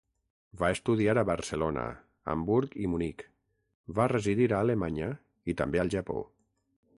Va estudiar a Barcelona, Hamburg i Munic, va residir a Alemanya i també al Japó.